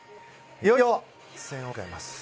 いよいよ決戦を迎えます。